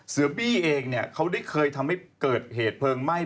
เสือบี้เองเขาได้เคยทำให้เกิดเหตุเพิงไม้